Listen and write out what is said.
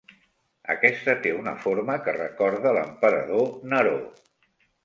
Aquesta té una forma que recorda l'emperador Neró.